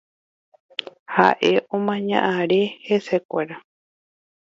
Ha'e omaña are hesekuéra.